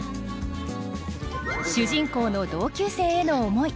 主人公の同級生への思い。